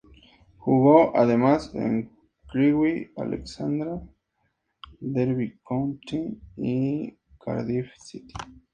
Jugó además en Crewe Alexandra, Derby County y Cardiff City.